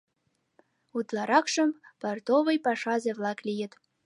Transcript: Утларакшым портовый пашазе-влак лийыт.